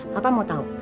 papa mau tahu